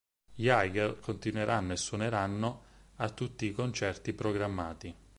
Gli Higher continueranno e suoneranno a tutti i concerti programmati.